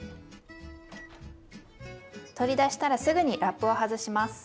取り出したらすぐにラップを外します。